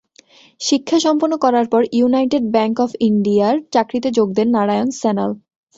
শিক্ষা সম্পন্ন করার পর ইউনাইটেড ব্যাঙ্ক অব ইন্ডিয়ার চাকরিতে যোগ দেন নারায়ন সান্যাল।